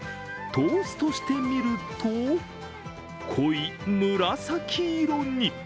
トーストしてみると濃い紫色に。